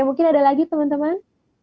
mungkin ada lagi teman teman